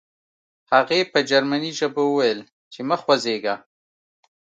هغې په جرمني ژبه وویل چې مه خوځېږه